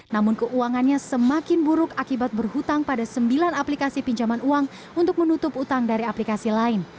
namun keuangannya semakin buruk akibat berhutang pada sembilan aplikasi pinjaman uang untuk menutup utang dari aplikasi lain